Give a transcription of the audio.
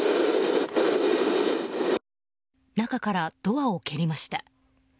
中からドアを蹴りました。